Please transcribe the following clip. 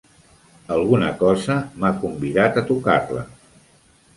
Alguna cosa m'ha convidat a tocar-la.